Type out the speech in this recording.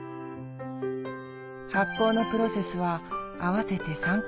発酵のプロセスは合わせて３回あります。